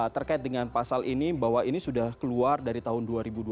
terkait dengan pasal ini bahwa ini sudah keluar dari tahun dua ribu dua puluh